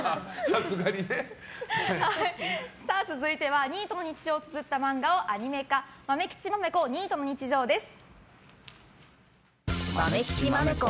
続いてはニートの日常をつづった漫画をアニメ化「まめきちまめこニートの日常」です。